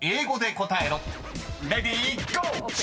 ［レディーゴー！］